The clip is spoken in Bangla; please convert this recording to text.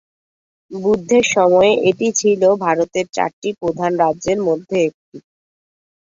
বুদ্ধের সময়ে এটি ছিল ভারতের চারটি প্রধান রাজ্যের মধ্যে একটি।